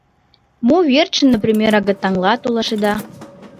Мо верчын, например, агытанла толашеда?